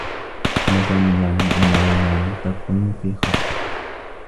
كان سامي يعلم أنّ ليلى لم تكن في خطر.